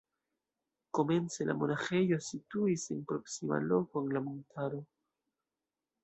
Komence la monaĥejo situis en proksima loko en la montaro.